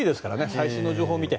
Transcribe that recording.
最新の情報を見て。